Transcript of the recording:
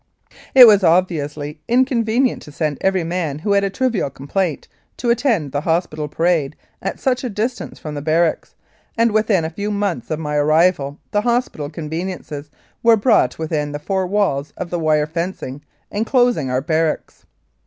It was obviously inconvenient to send every man who had a trivial complaint to attend the hospital parade at such a distance from the barracks ; and within a few months of my arrival the hospital conveniences were brought within the four walls of the wire fencing enclosing our barracks.